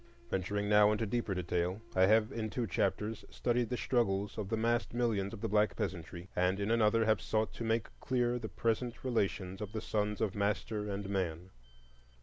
Venturing now into deeper detail, I have in two chapters studied the struggles of the massed millions of the black peasantry, and in another have sought to make clear the present relations of the sons of master and man.